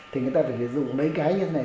thì người ta phải dùng mấy cái như thế này